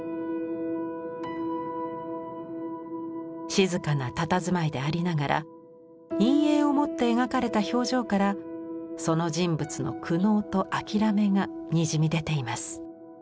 静かなたたずまいでありながら陰影を持って描かれた表情からその人物の苦悩と諦めがにじみ出ています。